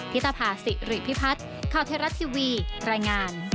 พิทธาภาษีหรือพิพัฒน์